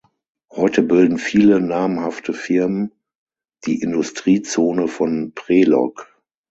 Heute bilden viele namhafte Firmen die Industriezone von Prelog.